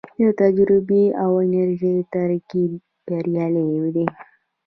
د تجربې او انرژۍ ترکیب بریالی دی